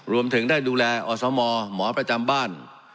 รวมถึงได้ดูแลอสมหมอประจำบ้าน